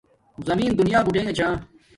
زمین دنیا بوتنگا چھا